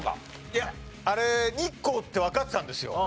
いやあれ日光ってわかってたんですよ。